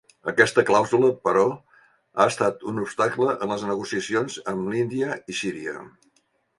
Aquesta clàusula, però, ha estat un obstacle en les negociacions amb l'Índia i Síria.